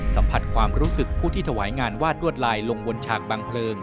สัมผัสความรู้สึกผู้ที่ถวายงานวาดลวดลายลงบนฉากบางเพลิง